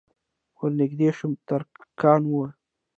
ور نږدې شوم ترکان وو.